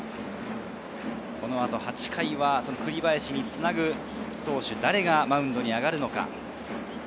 ８回は栗林につなぐ投手、誰がマウンドに上がるのか。